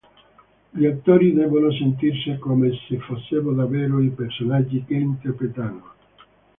Gli attori devono sentirsi come se fossero davvero i personaggi che interpretano.